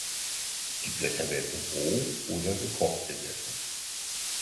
Die Blätter werden roh oder gekocht gegessen.